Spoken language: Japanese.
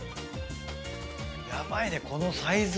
ヤバいねこのサイズ。